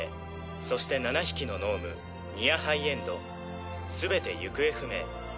そして７匹の脳無ニア・ハイエンド全て行方不明。